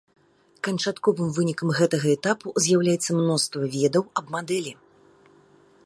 Канчатковым вынікам гэтага этапу з'яўляецца мноства ведаў аб мадэлі.